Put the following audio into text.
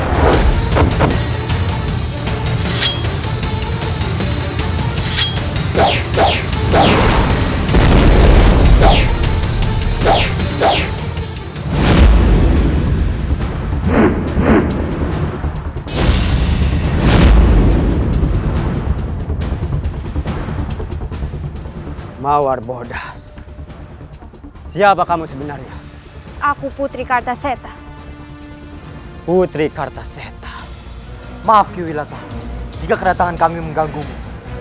jadi bagapun orangnya lupanya dibeduhi